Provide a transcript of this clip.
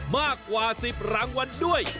มากกว่า๑๐รางวัลด้วย